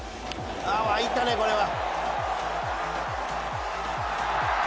いったね、これは。